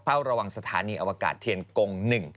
เฝ้าระวังสถานีอวกาศเทียนกง๑